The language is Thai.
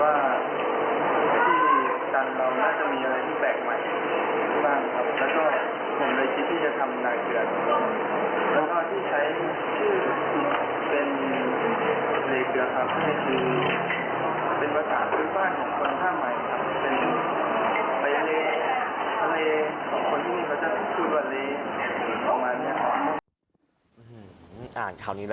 เป็นไฟเลทะเลคนที่มีความชุดหวัดเลประมาณนี้ครับ